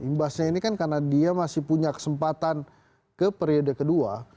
imbasnya ini kan karena dia masih punya kesempatan ke periode kedua